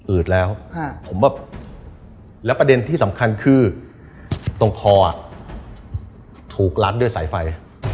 ืดแล้วผมแบบแล้วประเด็นที่สำคัญคือตรงคอถูกรัดด้วยสายไฟ